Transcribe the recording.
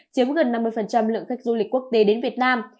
chiếm gần năm mươi lượng khách du lịch quốc tế đến việt nam